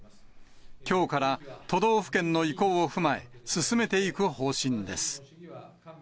きょうから都道府県の意向を踏まえ、進めていく方針です。